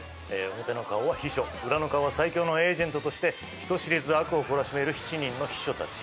表の顔は秘書裏の顔は最強のエージェントとして人知れず悪を懲らしめる七人の秘書たち。